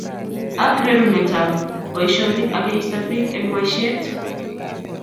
Ak rerunetab boisionik ak keisto bik eng boisiet